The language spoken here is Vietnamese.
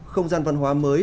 không gian văn hóa mới